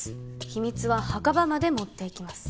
秘密は墓場まで持って行きます。